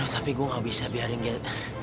tapi gua gak bisa biarin dia